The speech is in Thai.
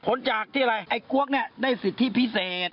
ผลจากที่อะไรไอ้กว๊อกได้ศิษฐ์ที่พิเศษ